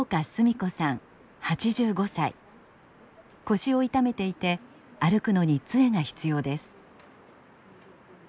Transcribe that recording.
腰を痛めていて歩くのに杖が必要です。